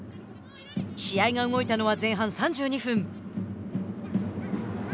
試合が動いたのは前半３２分。